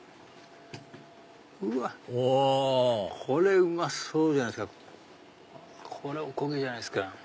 これうまそうじゃないっすか。